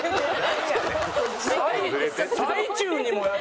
最中にも？